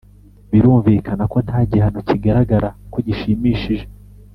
Birumvikana ko nta gihano kigaragara ko gishimishije